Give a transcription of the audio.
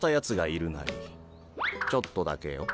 ちょっとだけヨ。